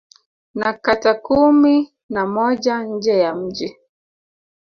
Na kata kumi na moja nje ya mji